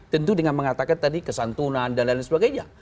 tentu dengan mengatakan tadi kesantunan dan lain sebagainya